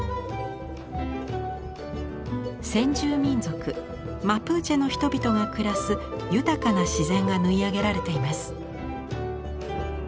先住民族マプーチェの人々が暮らす豊かな自然が縫い上げられています。